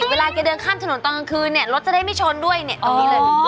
เวลาแกเดินข้ามถนนตอนกลางคืนเนี่ยรถจะได้ไม่ชนด้วยเนี่ยตรงนี้เลย